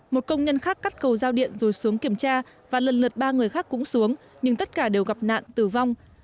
một công nhân khác cắt cầu giao điện rồi xuống kiểm tra và lần lượt ba người khác cũng xuống nhưng tất cả đều gặp nạn tử vong